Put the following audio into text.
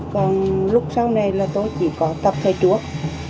còn lúc sau này là tôi chỉ có tập thầy thuốc